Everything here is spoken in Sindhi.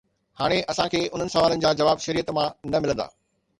هاڻي اسان کي انهن سوالن جا جواب شريعت مان نه ملندا.